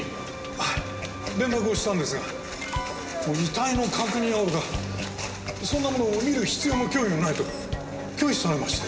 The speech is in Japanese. あっ連絡をしたんですがもう遺体の確認はおろかそんなもの見る必要も興味もないと拒否されまして。